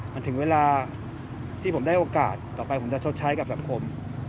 มันถึงเวลาที่ผมได้โอกาสต่อไปผมจะชดใช้กับสังคม